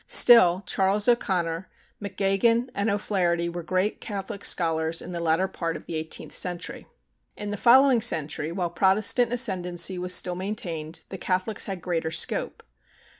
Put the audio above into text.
Still, Charles O'Connor, MacGeoghegan, and O'Flaherty were great Catholic scholars in the latter part of the eighteenth century. In the following century, while Protestant ascendancy was still maintained, the Catholics had greater scope.